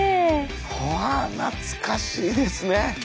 うわ懐かしいですね。